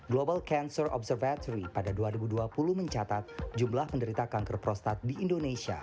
global cancer observatory pada dua ribu dua puluh mencatat jumlah penderita kanker prostat di indonesia